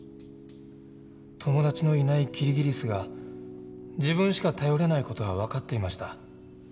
友達のいないキリギリスが自分しか頼れない事は分かっていました。